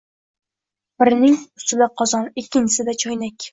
Birining ustida qozon, ikkinchisida choynak